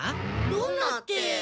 どんなって？